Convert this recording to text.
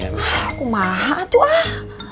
kok mahal tuh ah